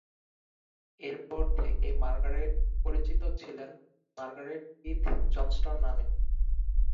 এরপর থেকে মার্গারেট পরিচিত ছিলেন মার্গারেট কিথ জনস্টন নামে।